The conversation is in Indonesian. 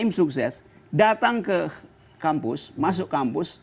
tim sukses datang ke kampus masuk kampus